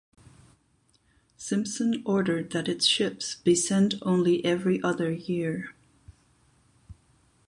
Simpson ordered that its ships be sent only every other year.